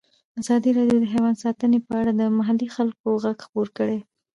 ازادي راډیو د حیوان ساتنه په اړه د محلي خلکو غږ خپور کړی.